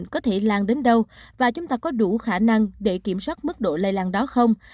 có thể lan đến đâu và chúng ta có đủ khả năng để kiểm soát mức độ lây lan đó không